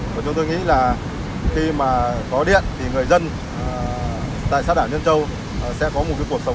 và chúng tôi nghĩ là khi mà có điện thì người dân tại xã đảo nhân châu sẽ có một cuộc sống